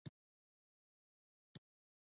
رڼا مستقیم تګ کوي.